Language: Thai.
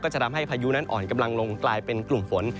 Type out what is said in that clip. จะทำให้พายุนั้นอ่อนกำลังลงกลายเป็นกลุ่มฝน